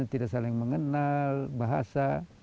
tidak saling mengenal bahasa